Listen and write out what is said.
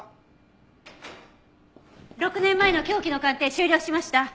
６年前の凶器の鑑定終了しました。